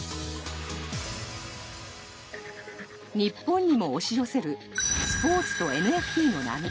日本にも押し寄せるスポーツとＮＦＴの波。